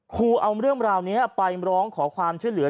ครูเอาเรื่องราวนี้ไปร้องขอความช่วยเหลือ